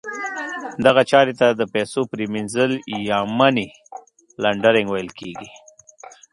دغه چارې ته د پیسو پریمینځل یا Money Laundering ویل کیږي.